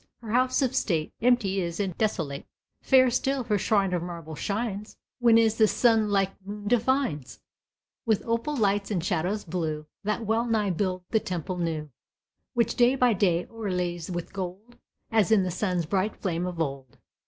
Her house of state, Empty is, and desolate: Fair still her shrine of marble shines, Whenas the sun like moon defines With opal lights and shadows blue That well nigh build the temple new, Which day by day o'erlays with gold As in the sun's bright flame of old.